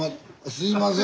すいません